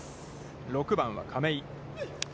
６番は亀井。